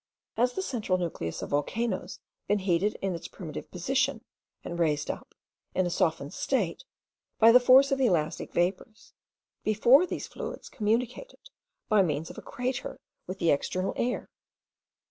Has the central nucleus of volcanoes been heated in its primitive position, and raised up, in a softened state, by the force of the elastic vapours, before these fluids communicated, by means of a crater, with the external air?